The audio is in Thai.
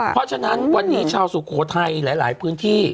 เพราะฉะนั้นวันนี้ชาวสุโขทัยหลายพื้นที่